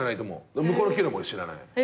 向こうの給料も俺知らない。